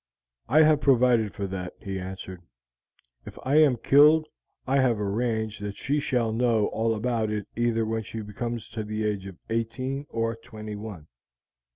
'I have provided for that,' he answered. 'If I am killed I have arranged that she shall know all about it either when she comes to the age of eighteen or twenty one.'